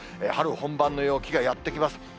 春本番の陽気がやって来ます。